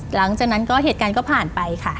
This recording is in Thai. หลังจากนั้นก็เหตุการณ์ก็ผ่านไปค่ะ